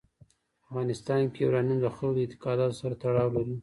په افغانستان کې یورانیم د خلکو د اعتقاداتو سره تړاو لري.